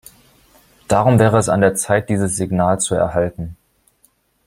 Darum wäre es an der Zeit, dieses Signal zu erhalten.